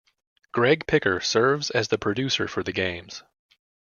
Gregg Picker serves as producer for the games.